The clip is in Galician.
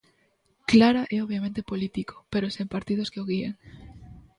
Clara e obviamente político, pero sen partidos que o guíen.